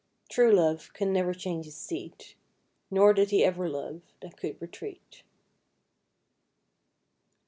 True love can never change his seat ; Nor did he ever love that can retreat.